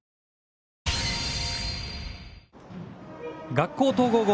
学校統合後